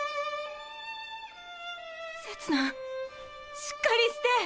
せつなしっかりして。